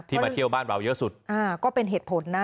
มาเที่ยวบ้านเราเยอะสุดอ่าก็เป็นเหตุผลนะ